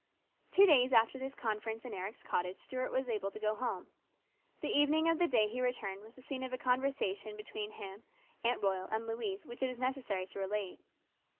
Two days after this conference in Eric's cottage Stuart was able to go home. The evening of the day he returned was the scene of a conversation between him, Aunt Royal, and Louise which it is necessary to relate.